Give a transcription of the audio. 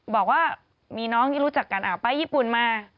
บอกว่ามีน้องที่รู้จักกันไปญี่ปุ่นมา